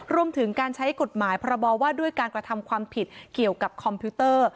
รวมถึงการใช้กฎหมายพรบว่าด้วยการกระทำความผิดเกี่ยวกับคอมพิวเตอร์